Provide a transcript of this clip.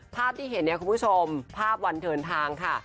ภาพที่เห็นเนี่ยคุณผู้ชมภาพวันเดินทางค่ะ